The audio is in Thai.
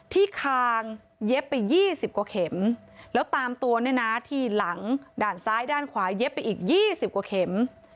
คางเย็บไป๒๐กว่าเข็มแล้วตามตัวเนี่ยนะที่หลังด้านซ้ายด้านขวาเย็บไปอีก๒๐กว่าเข็ม